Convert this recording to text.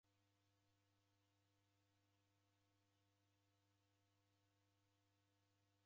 W'ulaya agho mafungu ghaenda na vichuku.